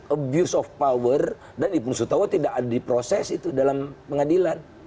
abuse of power dan ibn sutowo tidak ada di proses itu dalam pengadilan